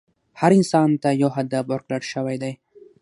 هر انسان ته یو هدف ورکړل شوی دی.